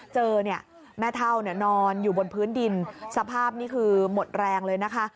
เจอเนี่ยแม่เท่านอนอยู่บนพื้นดินสภาพนี่คือหมดแรงเลยนะคะ